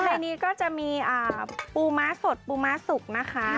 ในนี้ก็จะมีปูม้าสดปูม้าสุกนะคะ